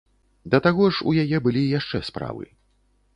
Да таго ж, у яе былі яшчэ справы.